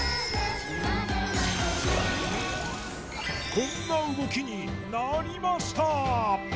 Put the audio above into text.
こんな動きになりました！